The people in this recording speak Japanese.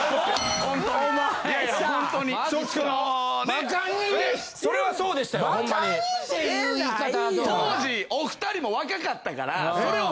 当時お二人も若かったからそれを。